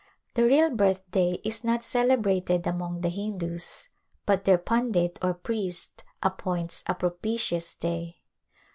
The real birthday is not celebrated among the Hindus but their pundit or priest appoints a propitious day.